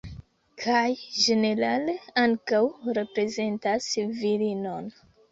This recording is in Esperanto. Kaj ĝenerale ankaŭ reprezentas virinon.